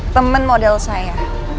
temen model saya